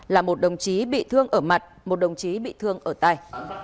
là một đồng chí bị thương ở mặt một đồng chí bị thương ở tay